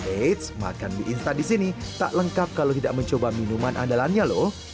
eits makan mie instan di sini tak lengkap kalau tidak mencoba minuman andalannya loh